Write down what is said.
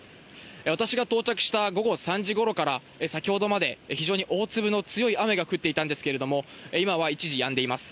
私が到着した午後３時ごろから先ほどまで、非常に大粒の強い雨が降っていたんですけれども、今は一時、やんでいます。